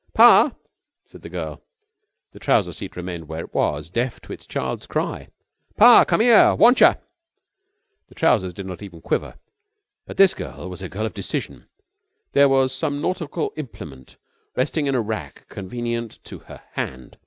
"Pa!" said the girl. The trouser seat remained where it was deaf to its child's cry. "Pa! Commere! Wantcha!" The trousers did not even quiver. But this girl was a girl of decision. There was some nautical implement resting in a rack convenient to her hand.